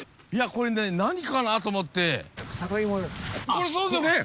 これそうですよね！